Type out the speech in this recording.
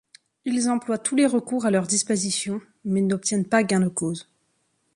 Ils emploient tous les recours à leur disposition, mais n'obtiennent pas gain de cause.